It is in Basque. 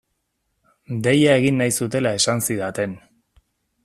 Deia egin nahi zutela esan zidaten.